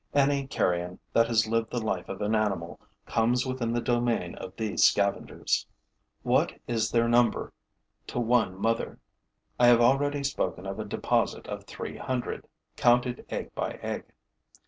Any carrion that has lived the life of an animal comes within the domain of these scavengers. What is their number to one mother? I have already spoken of a deposit of three hundred, counted egg by egg.